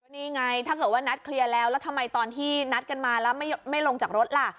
นี่ไงถ้าเกิดว่านัดเคลียร์แล้วแล้วทำไมตอนที่นัดกันมาแล้วไม่ลงจากรถล่ะ